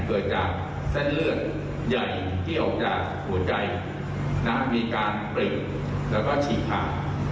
เกิดจากแสดงเลือดใหญ่ที่ออกจากหัวใจนะฮะมีการปิกแล้วก็ฉีกผ่าน